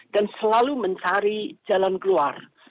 dan selalu mencari jalan keluar